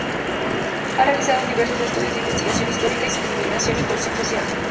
Ha realizado diversos estudios de investigación histórica y sobre inmigración y cohesión social.